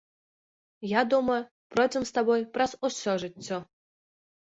Я думаю, пройдзем з табой праз усё жыццё.